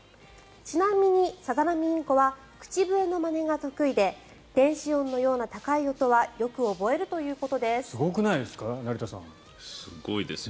ちなみにサザナミインコは口笛のまねが得意で電子音のような高い音はよく覚えるということです。